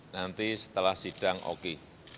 nanti setelah sidang oki